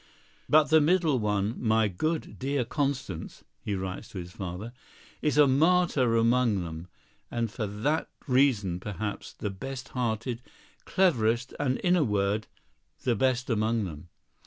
"But the middle one, my good, dear Constance," he writes to his father, "is a martyr among them, and for that reason, perhaps, the best hearted, cleverest, and, in a word, the best among them.